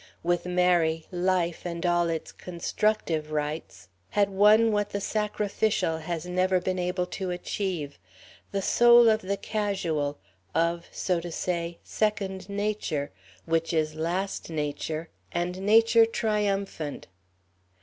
With Mary, life and all its constructive rites had won what the sacrificial has never been able to achieve the soul of the casual, of, so to say, second nature, which is last nature, and nature triumphant.